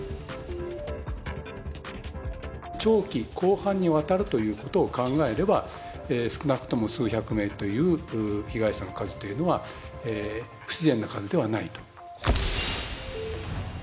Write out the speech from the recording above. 長期、広範にわたるということを考えれば、少なくとも数百名という被害者の数というのは不自然な数ではないと。